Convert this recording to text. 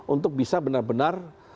untuk bisa benar benar